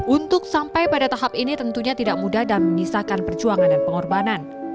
untuk sampai pada tahap ini tentunya tidak mudah dan menyisakan perjuangan dan pengorbanan